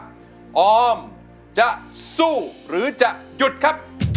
พร้อมจะสู้หรือจะหยุดค่ะ